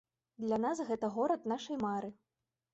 Для нас гэта горад нашай мары.